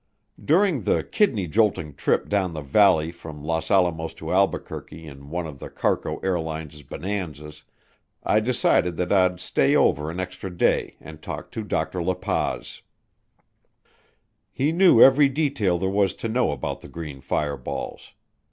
During the kidney jolting trip down the valley from Los Alamos to Albuquerque in one of the CARCO Airlines' Bonanzas, I decided that I'd stay over an extra day and talk to Dr. La Paz. He knew every detail there was to know about the green fireballs.